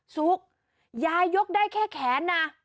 ซุกยายยกได้แค่แขนนะ